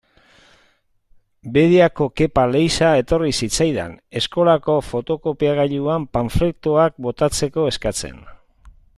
Bediako Kepa Leiza etorri zitzaidan, eskolako fotokopiagailuan panfletoak botatzeko eskatzen.